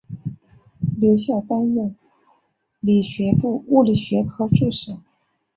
留校担任理学部物理学科助手。